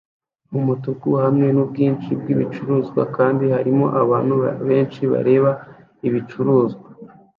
numutuku hamwe nubwinshi bwibicuruzwa kandi hariho abantu benshi bareba ibicuruzwa